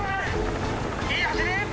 いい走り！